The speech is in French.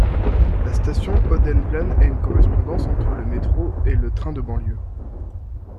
La Station Odenplan à une correspondance entre le Métro et le Train de banlieue.